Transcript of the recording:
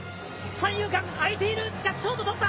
三遊間、空いている、しかし、ショート捕った。